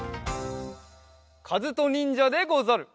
かずとにんじゃでござる！